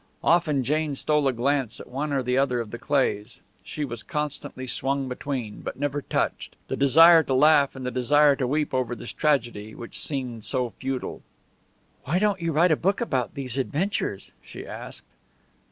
Often Jane stole a glance at one or the other of the Cleighs. She was constantly swung between but never touched the desire to laugh and the desire to weep over this tragedy, which seemed so futile. "Why don't you write a book about these adventures?" she asked.